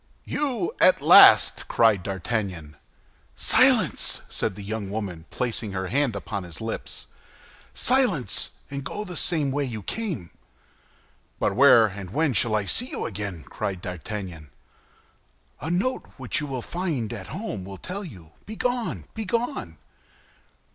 "You at last?" cried D'Artagnan. "Silence!" said the young woman, placing her hand upon his lips; "silence, and go the same way you came!" "But where and when shall I see you again?" cried D'Artagnan. "A note which you will find at home will tell you. Begone, begone!"